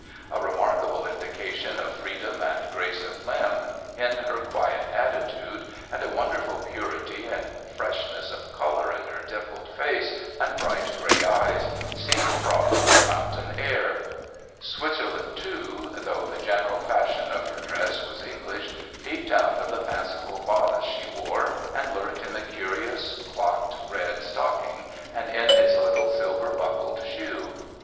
A remarkable indication of freedom and grace of limb, in her quiet attitude, and a wonderful purity and freshness of colour in her dimpled face and bright gray eyes, seemed fraught with mountain air. Switzerland too, though the general fashion of her dress was English, peeped out of the fanciful bodice she wore, and lurked in the curious clocked red stocking, and in its little silver buckled shoe.